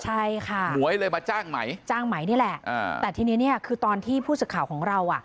ใช่ค่ะหมวยเลยมาจ้างไหมจ้างไหมนี่แหละอ่าแต่ทีนี้เนี่ยคือตอนที่ผู้สื่อข่าวของเราอ่ะ